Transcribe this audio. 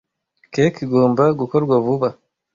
Cake igomba gukorwa vuba.